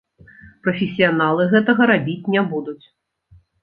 Прафесіяналы гэтага рабіць не будуць.